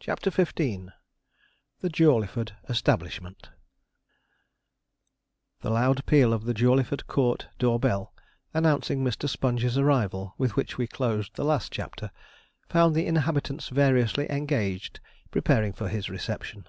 CHAPTER XV THE JAWLEYFORD ESTABLISHMENT The loud peal of the Jawleyford Court door bell, announcing Mr. Sponge's arrival, with which we closed the last chapter, found the inhabitants variously engaged preparing for his reception.